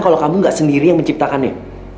kalau kamu gak sendiri yang menciptakannya